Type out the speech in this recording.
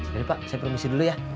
jadi pak saya permisi dulu ya